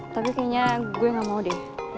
tapi kayaknya gue gak mau deh